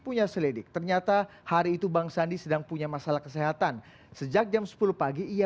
punya selidik ternyata hari itu bang sandi sedang punya masalah kesehatan sejak jam sepuluh pagi ia